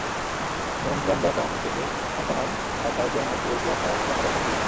নুঙ্গাম্বাকাম থানা থেকে সান্থানাম আর তার গ্যাং এর পুরো ইতিহাস তার জানা দরকার ছিল।